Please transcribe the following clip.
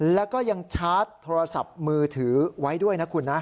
แล้วก็ยังชาร์จโทรศัพท์มือถือไว้ด้วยนะคุณนะ